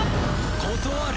断る！